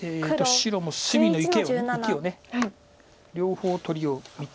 白も隅の生きを両方取りを見て。